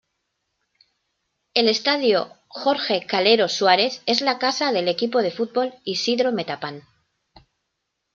El Estadio Jorge "Calero" Suárez es la casa del equipo de fútbol Isidro Metapán.